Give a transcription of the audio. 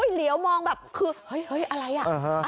เหลียวมองแบบคือเฮ้ยอะไรอ่ะ